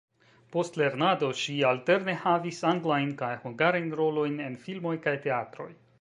Post lernado ŝi alterne havis anglajn kaj hungarajn rolojn en filmoj kaj teatroj.